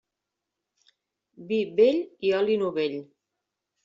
Vi vell i oli novell.